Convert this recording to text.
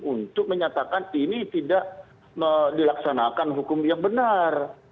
untuk menyatakan ini tidak dilaksanakan hukum yang benar